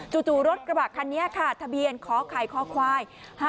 จู่รถกระบะคันนี้ค่ะทะเบียนขอไข่คควาย๕๗